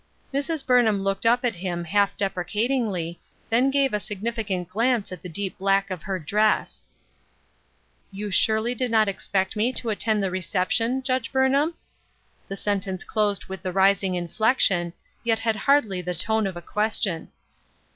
Mrs. Burnham looked up at him half depreca tingly, then gave a significant glance at the deep black of her dress. AFTER SIX YEARS. 5 "You surely did not expect me to attend the reception, Judge Burnham ?" The sentence closed with the rising inflection, yet had hardly the tone of a question.